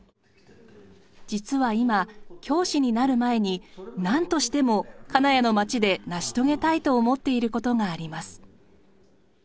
実は今教師になる前になんとしても金谷の町で成し遂げたいと思っていることがあります。